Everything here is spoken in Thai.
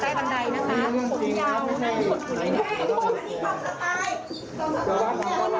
คำนวณเจอยังไหมครับคำนวณเจอยังไหมครับคำนวณเจอยังไหมครับ